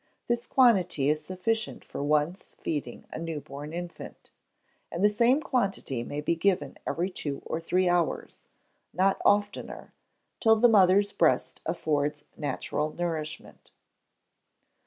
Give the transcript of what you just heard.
This quantity is sufficient for once feeding a new born infant; and the same quantity may be given every two or three hours, not oftener, till the mother's breast affords natural nourishment.